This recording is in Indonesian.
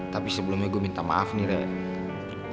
tapi sebelumnya gue minta maaf nih rek